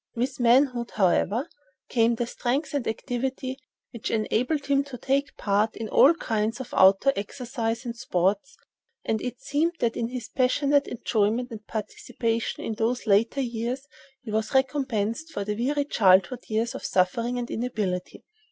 With manhood, however, came the strength and activity which enabled him to take part in all kinds of outdoor exercise and sports, and it seemed that in his passionate enjoyment and participation in those later years he was recompensed for the weary childhood years of suffering and inability.